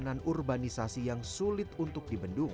itulah sebuah urbanisasi yang sulit untuk dibendung